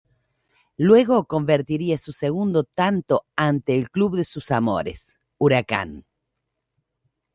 Luego convertiría su segundo tanto ante el club de sus amores, Huracán.